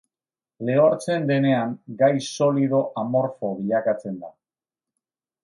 Lehortzen denean gai solido amorfo bilakatzen da.